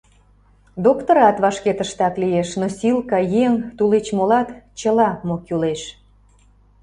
Доктырат вашке тыштак лиеш, носилка, еҥ, тулеч молат — чыла, мо кӱлеш.